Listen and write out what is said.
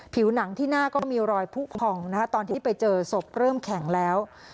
ผิวหนังที่หน้าก็มีรอยผู้พองตอนที่ไปเจอศพเริ่มแข็งแล้ว